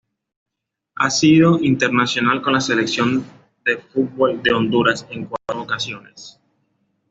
Ha sido internacional con la Selección de fútbol de Honduras en cuatro ocasiones.